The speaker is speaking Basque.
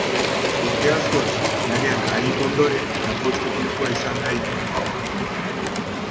Urte askoz lanean aritu ondoren, lanpostu finkoa izan nahi dute.